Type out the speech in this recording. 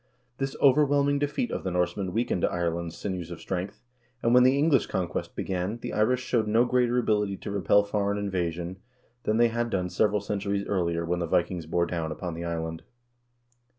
This overwhelming defeat of the Norsemen weak ened Ireland's sinews of strength, and, when the English conquest began, the Irish showed no greater ability to repel foreign invasion than they had done several centuries earlier when the Vikings bore down upon the island.